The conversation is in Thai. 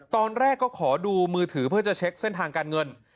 ตอนแรกก็ขอดูมือถือเพื่อจะเช็คเส้นทางการเงิน